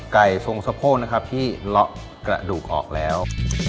ทรงสะโพกนะครับที่เลาะกระดูกออกแล้ว